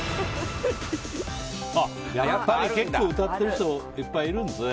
やっぱり結構歌ってる人いっぱいいるんですね。